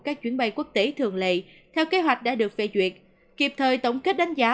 các chuyến bay quốc tế thường lệ theo kế hoạch đã được phê duyệt kịp thời tổng kết đánh giá